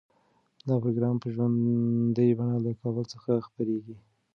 دا پروګرام په ژوندۍ بڼه له کابل څخه خپریږي.